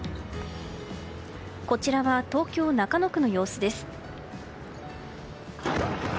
こちらは東京・中野区の様子です。